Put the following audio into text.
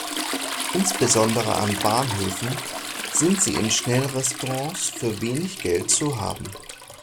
Insbesondere an Bahnhöfen sind sie in Schnellrestaurants für wenig Geld zu haben.